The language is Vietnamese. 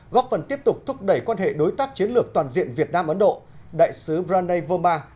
góp phần tiếp tục thúc đẩy quan hệ đối tác chiến lược toàn diện việt nam ấn độ